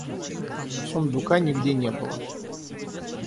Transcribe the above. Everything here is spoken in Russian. Сундука нигде не было.